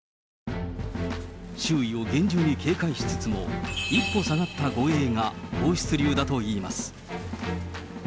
周囲を厳重に警戒しつつも、一歩下がった護衛が皇室流だといいます。